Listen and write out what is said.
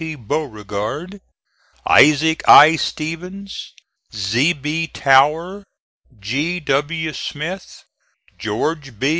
Beauregard, Isaac I. Stevens, Z. B. Tower, G. W. Smith, George B.